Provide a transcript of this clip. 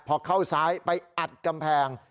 พอเข้าซ้ายไปอัดกำแพง